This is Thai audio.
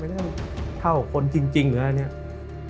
ไม่ได้เท่าคนจริงหรืออะไรอย่างนี้